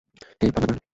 Hey, panda girl.